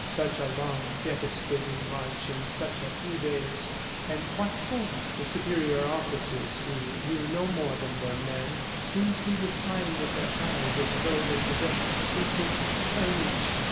Such a long, devastating march in such a few days, and what for? ... The superior officers, who knew no more than their men, seemed to be replying with their eyes, as though they possessed a secret "Courage!